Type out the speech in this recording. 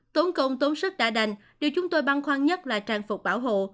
tốn công tốn sức đã đành điều chúng tôi băng khoan nhất là trang phục bảo hộ